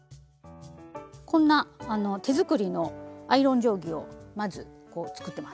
こんな手作りのアイロン定規をまず作ってます。